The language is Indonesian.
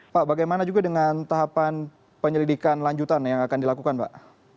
pak bagaimana juga dengan tahapan penyelidikan lanjutan yang akan dilakukan pak